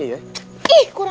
ini kan udah malem